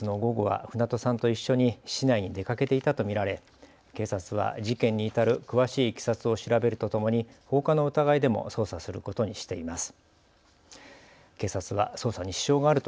事件当日の午後は船戸さんと一緒に市内に出かけていたと見られ、警察は事件に至る詳しいいきさつを調べるとともに放火の疑いでも捜査することにしています。